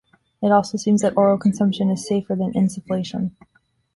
It also seems that oral consumption is safer than insufflation.